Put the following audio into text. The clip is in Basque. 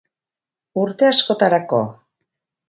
Urte askotarako!